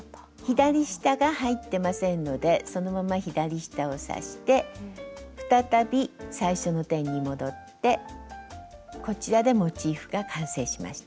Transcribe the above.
左下が入ってませんのでそのまま左下を刺して再び最初の点に戻ってこちらでモチーフが完成しました。